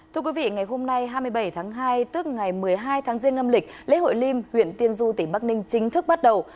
thưa quý vị ngày hôm nay hai mươi bảy tháng hai tức ngày một mươi hai tháng riêng âm lịch lễ hội liêm huyện tiên du tỉnh bắc ninh chính thức bắt đầu